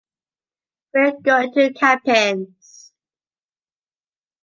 We’re going to Campins.